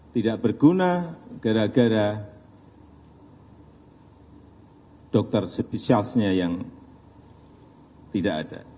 tidak berguna gara gara dokter spesialisnya yang tidak ada